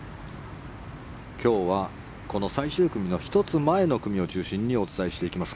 今日はこの最終組の１つ前の組を中心にお伝えしていきます。